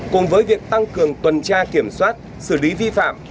cùng với việc tăng cường tuần tra kiểm soát xử lý vi phạm